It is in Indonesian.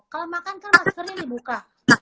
kalau makan kan maskernya dibuka